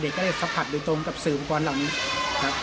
ก็ได้สัมผัสโดยตรงกับสื่ออุปกรณ์เหล่านี้ครับ